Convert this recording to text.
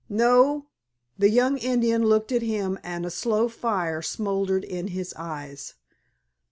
"No?" the young Indian looked at him and a slow fire smouldered in his eyes.